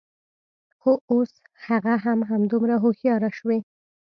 خو، اوس هغه هم همدومره هوښیاره شوې